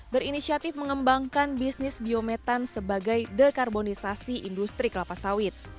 berinisiatif mengembangkan bisnis biometan sebagai dekarbonisasi industri kelapa sawit